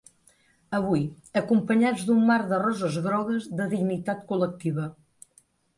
Avui, acompanyats d'un mar de roses grogues de dignitat col·lectiva.